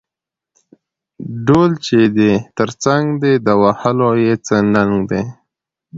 ـ ډول چې دې تر څنګ دى د وهلو يې څه ننګ دى.